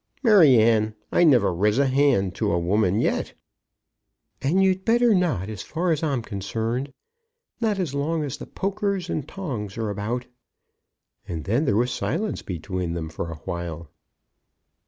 "Maryanne, I never riz a hand to a woman yet." "And you'd better not, as far as I'm concerned, not as long as the pokers and tongs are about." And then there was silence between them for awhile.